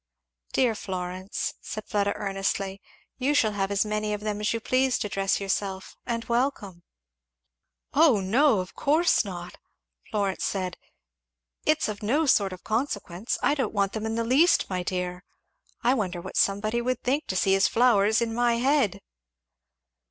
"Dear Florence," said Fleda earnestly, "you shall have as many of them as you please to dress yourself, and welcome!" "Oh no of course not! " Florence said, "it's of no sort of consequence I don't want them in the least, my dear. I wonder what somebody would think to see his flowers in my head!"